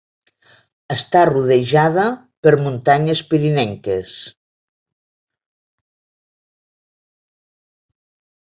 Està rodejada per muntanyes pirinenques.